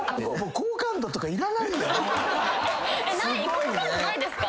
好感度ないですか？